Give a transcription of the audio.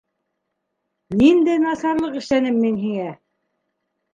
Ниндәй насарлыҡ эшләнем мин һиңә?